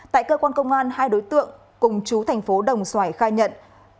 tại cơ quan công an hai đối tượng cùng chú thành phố đồng xoài khai nhận